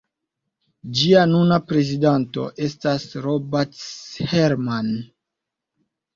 Ĝia nuna prezidanto estas Robert Herrmann.